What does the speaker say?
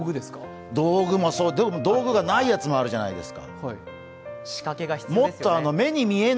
道具もそう、でも道具がないやつもあるじゃないですか。